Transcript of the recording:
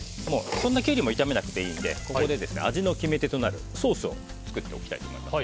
そんなにキュウリは炒めなくていいのでここで味の決め手となるソースを作っておきたいと思います。